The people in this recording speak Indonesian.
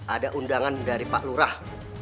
ada undangan dari pak lurah